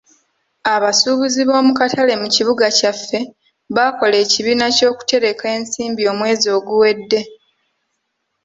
Abasuubuzi b'omu katale mu kibuga kyaffe baakola ekibiina ky'okutereka ensimbi omwezi oguwedde.